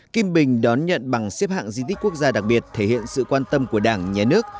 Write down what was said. kim bình đón nhận bằng xếp hạng di tích quốc gia đặc biệt thể hiện sự quan tâm của đảng nhà nước